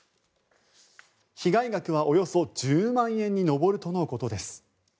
被害額はおよそ１０万円に上るとのことです。